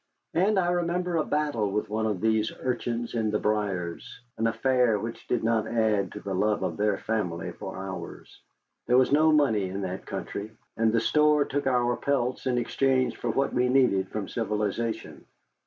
And I remember a battle with one of these urchins in the briers, an affair which did not add to the love of their family for ours. There was no money in that country, and the store took our pelts in exchange for what we needed from civilization.